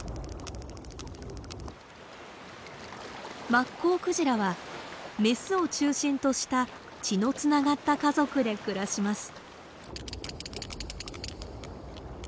マッコウクジラはメスを中心とした血のつながった家族で暮らします。